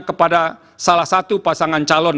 kepada salah satu pasangan calon